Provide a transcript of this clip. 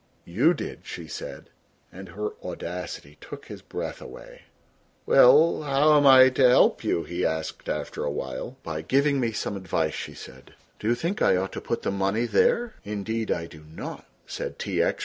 "You did," she said, and her audacity took his breath away. "Well, how am I to help you!" he asked after a while. "By giving me some advice," she said; "do you think I ought to put the money there!" "Indeed I do not," said T. X.